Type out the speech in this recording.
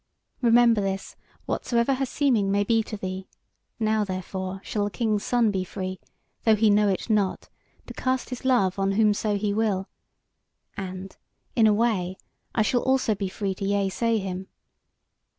Remember this, whatsoever her seeming may be to thee. Now, therefore, shall the King's Son be free, though he know it not, to cast his love on whomso he will; and, in a way, I also shall be free to yeasay him.